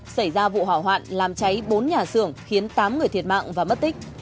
xảy ra vụ hỏa hoạn làm cháy bốn nhà xưởng khiến tám người thiệt mạng và mất tích